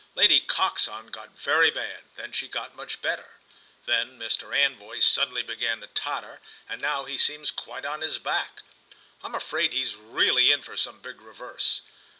Lady Coxon got very bad, then she got much better. Then Mr. Anvoy suddenly began to totter, and now he seems quite on his back. I'm afraid he's really in for some big reverse.